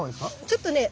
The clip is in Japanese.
ちょっとね